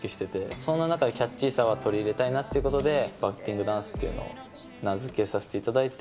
そんな中でキャッチーさは取り入れたいなということで、バッティングダンスっていうのを名付けさせていただいて。